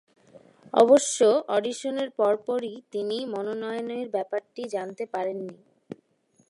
অবশ্য অডিশনের পরপরই তিনি মনোনয়নের ব্যাপারটি জানতে পারেননি।